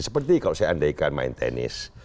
seperti kalau saya andaikan main tenis